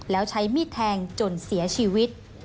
แล้วใช้มีดแทงจนเสียชีวิต